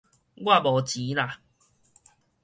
我無錢啦